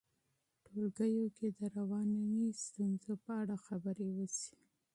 ټولګیو کې د رواني ستونزو په اړه خبرې وشي.